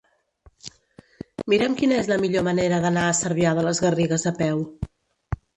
Mira'm quina és la millor manera d'anar a Cervià de les Garrigues a peu.